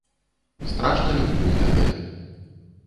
Страшна люблю іх дагэтуль.